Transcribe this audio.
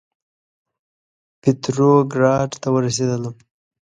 پتروګراډ ته ورسېدلم.